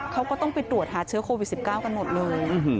เขาก็ต้องไปตรวจหาเชื้อโควิด๑๙กันหมดเลย